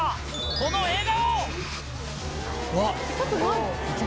この笑顔。